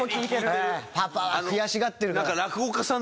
パパは悔しがってるから。